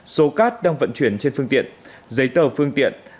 số cát đang vận chuyển trên phương tiện giấy tờ phương tiện